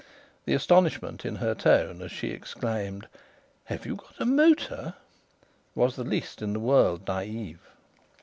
The astonishment in her tone as she exclaimed: "Have you got a motor?" was the least in the world naïve.